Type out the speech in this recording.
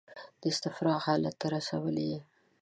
د استفراق حالت ته رسولي دي.